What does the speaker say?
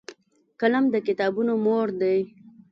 قلم د کتابونو مور دی